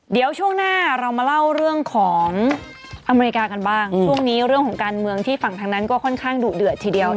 เดี๋ยวช่วงหน้าเรามาเล่าเรื่องของอเมริกากันบ้างช่วงนี้เรื่องของการเมืองที่ฝั่งทางนั้นก็ค่อนข้างดุเดือดทีเดียว